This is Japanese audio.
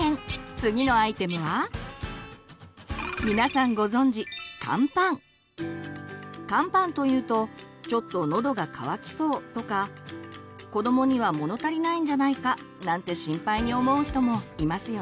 次のアイテムは皆さんご存じカンパンというと「ちょっとのどが渇きそう」とか「子どもには物足りないんじゃないか」なんて心配に思う人もいますよね。